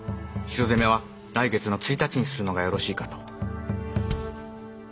城攻めは来月の１日にするのがよろしいかと。